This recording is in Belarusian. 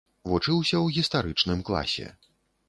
Вучыўся ў гістарычным класе.